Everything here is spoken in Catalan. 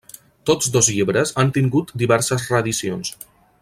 Tots dos llibres han tingut diverses reedicions.